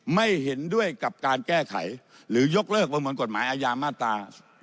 ไม่เห็นด้วยกับการแก้ไขหรือยกเลิกประมวลกฎหมายอาญามาตรา